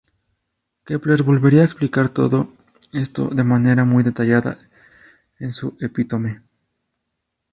Kepler volvería a explicar todo esto, de manera muy detallada, en su "Epítome".